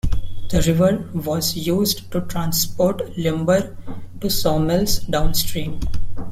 The river was used to transport lumber to sawmills downstream.